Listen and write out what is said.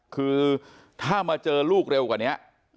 คือถ้ามาเจอลูกเร็วกว่านี้